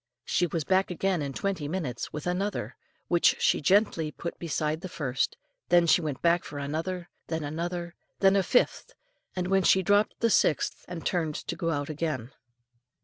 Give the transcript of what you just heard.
She was back again in twenty minutes with another, which she gently put beside the first, then she went back for another, then another, then a fifth, and when she dropped the sixth and turned to go out again.